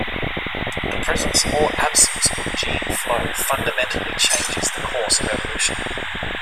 The presence or absence of gene flow fundamentally changes the course of evolution.